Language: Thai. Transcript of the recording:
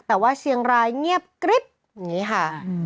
แต่ว่าเชียงรายเงียบกริ๊บอย่างนี้ค่ะ